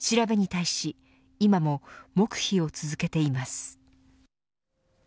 調べに対し今も黙秘を続けています。